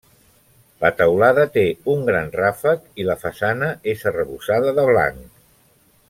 La teulada té un gran ràfec i la façana és arrebossada de blanc.